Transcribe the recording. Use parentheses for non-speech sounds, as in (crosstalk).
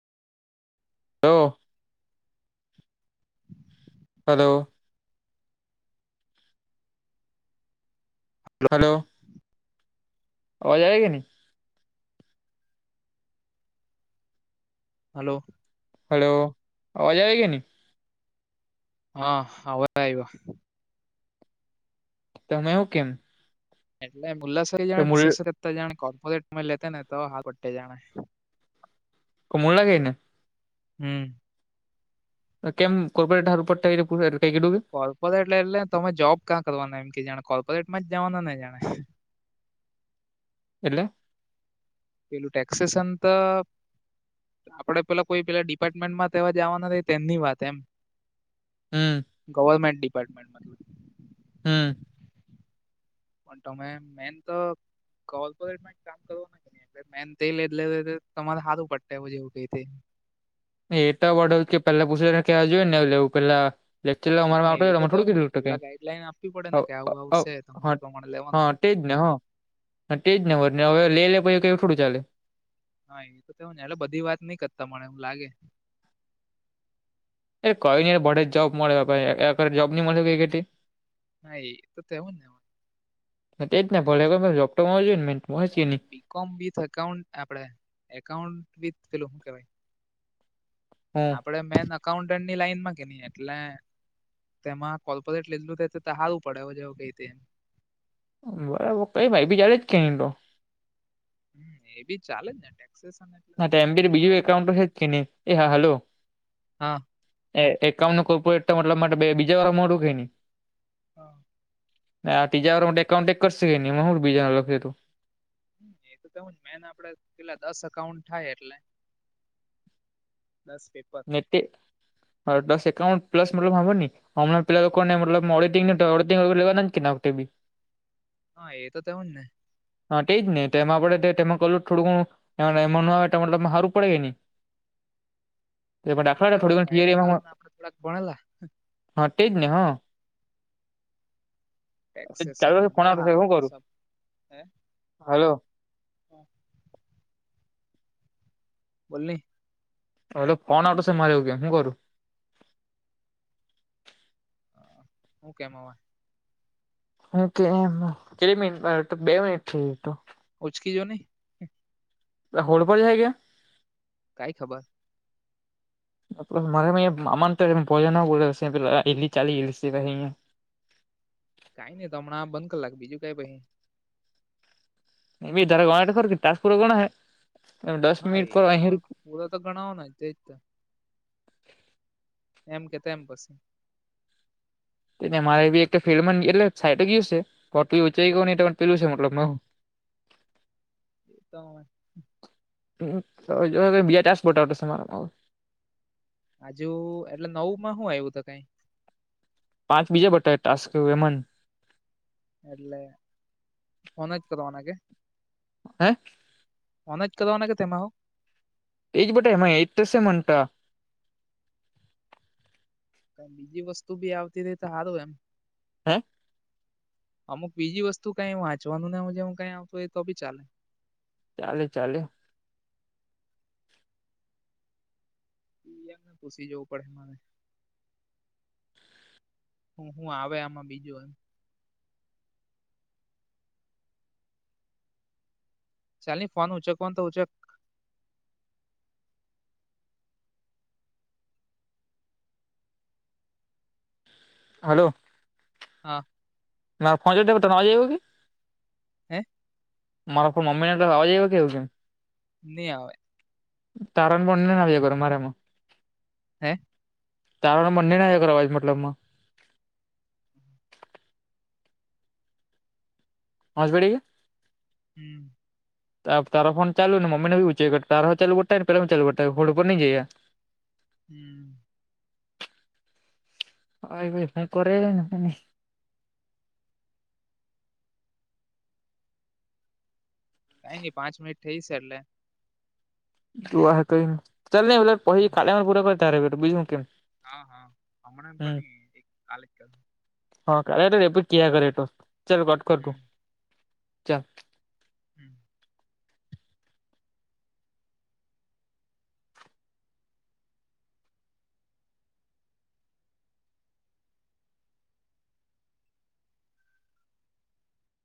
Hello hello hello અવાજ આવી છે ને હલો હલો અવાજ આવે છે ને હા હવે આવ્યો તમે એવું કેમ એટલે મુલા સ જાતા શી વલે જા કર્પોરેટ લે ને તો હા બટે જાણે કમોલા ગે ને હમ કેમ કો્પોરેટ હાર ઉપર થ (unintelligible) કું કે- કોર્પોરેટ લે એટલેને તમે જોબ કાં કરવાના એમ કે જાણે કોર્પોરેટ માં જવાના ને જાણે કો એટલે પેલું ટટેક્સેસ અતંતં આપણે પેલા કોઈ પેલા ડિપાર્ટમેન્ટમાં તેવા જવા ના તેમની વાત એમ હમમ ગવર્મેન્ટ ડિપાર્ટમેન્ટ મતલબ હમ પણ તમે મેન તો કોર્પોરેટ કામ કરો મેન થે લે એટલે -લે-લે તમારે હારુ પડટ જેવું કઈ થે એટ વડા કે પેલા પૂછ કે જોય ને લેવું પેલા લેક્ચર અમારે હા એ આવ તો અમા થોડું તેવું ને કિધું તું પેલા કંઈ ગાઈડલાઈન આપવી પડે ને કે આવું આવું છે તમારે પ્રમાણે લેવાનું હા એમ તે નો હા તે જ નનેબર ને હવે લે લે પછી કવું થોડું ચાલે હા એ તો નેલો એટલે બધી વાત નઈ કરતા મને એવું લાગે એ કઈ નને ભડે જ જોબ મળેરે જોબ નઈ મળેઈ નહી તો તેવ નેં એ જ ભલે પટોય (unintelligible) ને મેંહો નહી બી કોમ વિથ એકાઉ આપડે એકઉન્ટ વિથ પેલું શું કેવાય? હ આપડે મેન અઉન્ટન્ટની લાઈનમાં કેની એટલે તેમાં કોર્પોરેટ લેધલું તો તે હારું પડે જેવુ કઈ ર બરાબર કઈ ભાઈ બી જારે જ કે ન તો એ બી ચાલે જ ને ટેક્સ અને હા એમ બી બીજું એકાઉન્ટ છે જ કે નહી એ હા હાલો હા એ એકાઉન્ટ નું કોઈ પણ મતલબ માટે બે બીજા વાર મળ મોળુ ની હા (unintelligible) ના તીજાર હ (unintelligible) ઈ કઉન્ટેક કરશે કે નહી એમાં હું બીજાને લ્યો હતું એ તો તોવું મેન આપડે પેલા દસ અકાઉન્ટ થાય એટલે દસ પેપર એ તે -અ-દસ એકાઉન્ટ પ્લસ મલ વાં માં આવે ની હમણાં પે લા લોકો ને મતલબ મોંનીટીગ ળ દિડ (unintelligible) લેવાના (inaudible) નામથી હાએ તો તવ ને હા તે જ નહી તેમાં આપણે તેમાં કહ થોડું ઘું (unintelligible) એ તો થોડી કેવું ઘણી થિયરી કાયદા એમાં કાનૂન આપડણે થોડાક ભણેલા. હા તે જ નને હ ટેક્સેશન ચાલુ ફોન અ હ આવતો છે હું કરું હલો હા બોલ ને. ઓલો કોણ આટે મારે આવવ કે હું કરું? હ શું કેમ હવા? કેટલી મિનિટ બે મિનિટ થઈ ગ હતું. ઉચકી જો ન. હોળ પણ જાય્યા? કઈ ખબર (unintelligible) કઈ નઈ હમણાં બંધ કલાક બીજું કઈ પછી. હા એ (unintelligible) (unintelligible) એમ કે તેમ બસ. મારે બી એક ફિલ્ડ એટલે સાઈટ ગયુંટ ચાઈ ગયુંલું મતબ હ એ તો હ તો જો બીજા ટસપોર્ટ આવ તમારેમાં હજુ એટલે નવ માં હું આવ્યું તો કઈ પાંચ બીજા બટા ટસ્ વેમન એટલે ફોન જ કરવાના કે? હે ઓને જ કના કે તેમાં આવ? તે જ ભટા એ તશે મતા ક બીજી વસ્તુ બી આવતી ર તો સારું એમ. હે? અમુક બીજી વસ્તુ કઈ વાંચવાનું ને હ જેમું કઈ આવત હોય તો બી ચાલે ચાલે ચાલે (unintelligible) હ હું આવે આમાં બીજું એમ ચાલ ની ફોન ઉંચે કો તો ઉંચે હલો હા ના પહોંચ દે ત તો તમે આવ જઈવો હે? (unintelligible) નહી આવે તારણ બંને ના વયો કરો મારે એમાં હે? તારમાં મને નાય એકરવાજ મતલબમાં (inaudible) પાંચ પડી, હમ (unintelligible) હમ (unintelligible) કાઈ ની પાંચ મીનીટ થઈ છે, એટલે જો કઈ ચાલન, પછી ખાલી પૂરા કરતા બીજ કેમ. હા હા હમણાં પણ હમ ની કાલે જ કરહુ હા કરે રેપ ક કરેટ ચાલ કટ કર હમ તું ચાલ. (unintelligible) હમ.